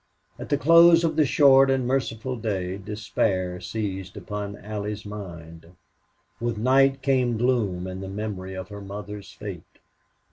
At the close of the short and merciful day despair seized upon Allie's mind. With night came gloom and the memory of her mother's fate.